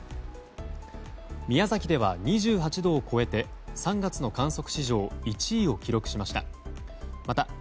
宮崎では２８度を超えて３月の観測史上１位を記録しました。